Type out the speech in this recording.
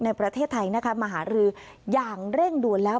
ในประเทศไทยนะคะมหารืออย่างเร่งด่วนแล้ว